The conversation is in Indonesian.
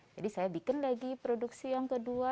jadi saya bikin lagi produksi yang kedua